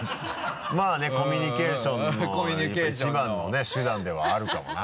まぁねコミュニケーションの一番のね手段ではあるかもな。